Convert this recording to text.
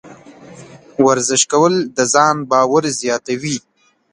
ورزش کول د ځان باور زیاتوي.